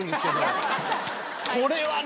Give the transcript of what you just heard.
これはね